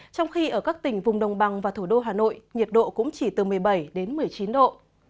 trong khi ở các tỉnh vùng đồng bằng và thủ đô hà nội nhiệt độ cũng chỉ từ một mươi bảy đến một mươi chín độ